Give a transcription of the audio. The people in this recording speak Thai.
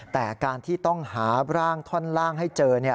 แต่การที่ต้องหาร่างท่อนล่างให้เจอ